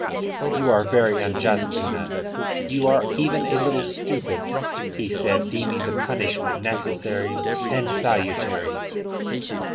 "You are very unjust, Una. You are even a little stupid," he said, deeming the punishment necessary and salutary.